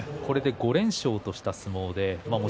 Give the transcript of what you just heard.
これで５連勝とした相撲。